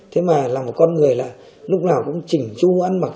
thế mà là một con người là lúc nào cũng chỉnh chu ăn mặc